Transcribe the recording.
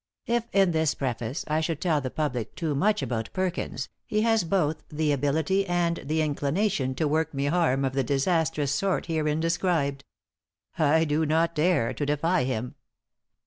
If, in this preface, I should tell the public too much about Perkins, he has both the ability and the inclination to work me harm of the disastrous sort herein described. I do not dare to defy him.